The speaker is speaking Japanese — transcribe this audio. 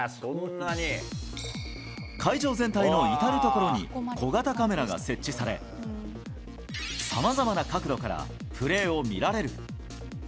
会場全体の至る所に小型カメラが設置され、さまざまな角度からプレーを見られる。